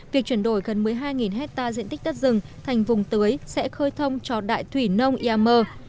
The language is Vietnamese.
việc chuyển đổi gần một mươi hai hectare diện tích đất rừng thành vùng tưới sẽ khơi thông cho đại thủy nông iammer